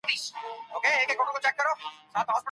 ټولنپوه د پېښو عمومي پایلې په پام کې نیسي.